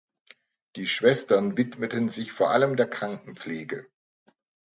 Die Schwestern widmeten sich vor allem der Krankenpflege.